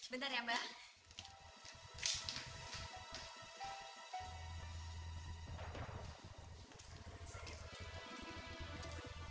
bentar ya mbak